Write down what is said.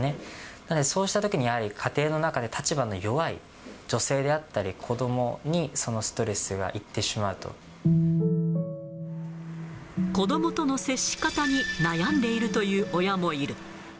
なので、そうしたときにやはり、家庭の中で立場の弱い女性だったり子どもに、子どもとの接し方に悩んでいるという親もいる。